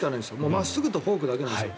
真っすぐとフォークだけなんですよ。